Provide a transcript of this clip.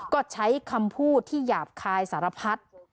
ก็ใช้คำพูดที่หยาบคายสารพัด